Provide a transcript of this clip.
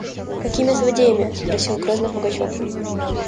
– Какими злодеями? – спросил грозно Пугачев.